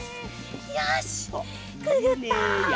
よしくぐった！